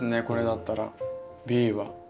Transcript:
これだったらＢは。